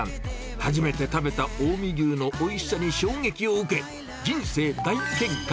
初めて食べた近江牛のおいしさに衝撃を受け、人生大転換。